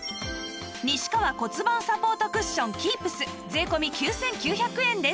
西川骨盤サポートクッション Ｋｅｅｐｓ 税込９９００円です